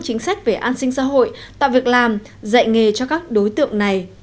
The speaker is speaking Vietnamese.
chính sách về an sinh xã hội tạo việc làm dạy nghề cho các đối tượng này